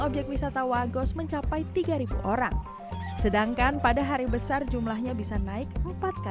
obyek wisata wagos mencapai tiga orang sedangkan pada hari besar jumlahnya bisa naik